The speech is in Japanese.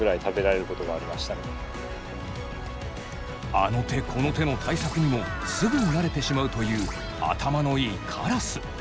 あの手この手の対策にもすぐ慣れてしまうという頭のいいカラス。